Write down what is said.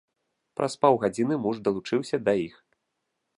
Праз паўгадзіны муж далучыўся да іх.